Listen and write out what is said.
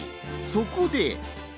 そこで。